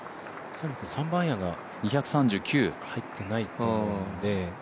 ３番アイアンが入ってないと思うんで。